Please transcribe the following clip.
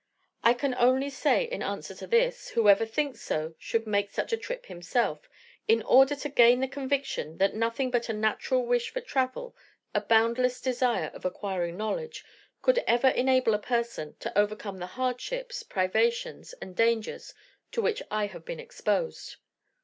I can only say in answer to this whoever thinks so should make such a trip himself, in order to gain the conviction, that nothing but a natural wish for travel, a boundless desire of acquiring knowledge, could ever enable a person to overcome the hardships, privations, and dangers to which I have been exposed.